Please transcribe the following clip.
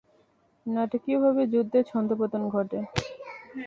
নাটকীয়ভাবে যুদ্ধের ছন্দপতন ঘটে।